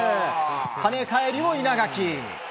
跳ね返りを稲垣。